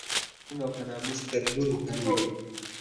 چې په ننګ او په ناموس تر لوڼو کم وي